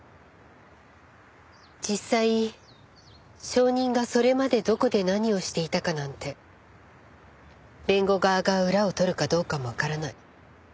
実際証人がそれまでどこで何をしていたかなんて弁護側が裏を取るかどうかもわからない。